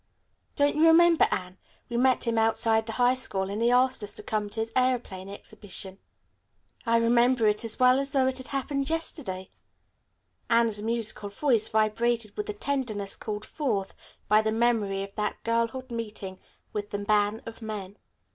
Don't you remember Anne, we met him outside the high school, and he asked us to come to his aeroplane exhibition?" "I remember it as well as though it happened yesterday," Anne's musical voice vibrated with a tenderness called forth by the memory of that girlhood meeting with the man of men.